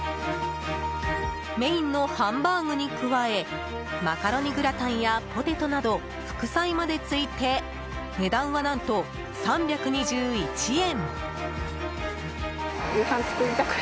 メインのハンバーグに加えマカロニグラタンやポテトなど副菜までついて値段は何と３２１円。